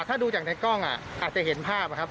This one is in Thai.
ถ้าดูจากในกล้องอาจจะเห็นภาพครับ